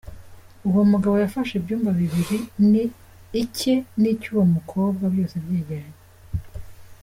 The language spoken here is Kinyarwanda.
Uwo mugabo yafashe ibyumba bibiri icye n’icy’uwo mukobwa byose byegeranye.